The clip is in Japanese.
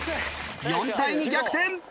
４対２逆転！